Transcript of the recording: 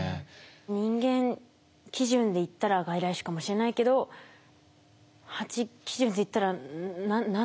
人間基準でいったら外来種かもしれないけどハチ基準でいったら「何で？」